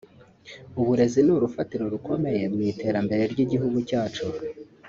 “Uburezi ni urufatiro rukomeye mu iterambere ry’igihugu cyacu